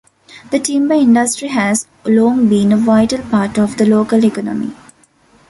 The timber industry has long been a vital part of the local economy.